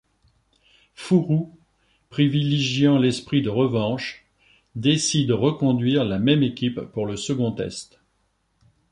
Fouroux, privilégiant l'esprit de revanche, décide reconduire la même équipe pour le second test.